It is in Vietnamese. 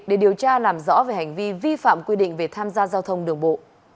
để điều tra làm rõ về hành vi vi phạm quy định về tham gia giao thông đường bộ